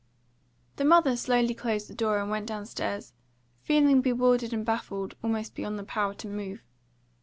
The mother slowly closed the door and went downstairs, feeling bewildered and baffled almost beyond the power to move.